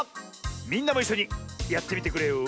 みんなもいっしょにやってみてくれよ！